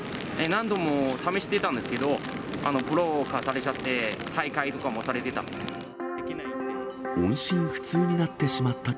何度も試してたんですけど、ブロックされちゃって、退会とかもされてた。